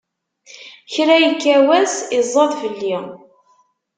Kra ikka wass, iẓẓad fell-i!